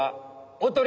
おとり？